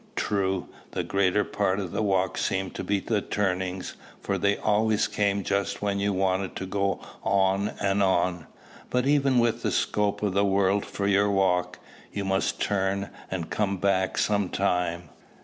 True, the greater part of the walk seemed to be the turnings, for they always came just when you wanted to go on and on; but, even with the scope of the world for your walk, you must turn and come back some time.